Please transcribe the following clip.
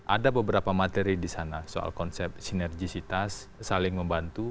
ada beberapa materi di sana soal konsep sinergisitas saling membantu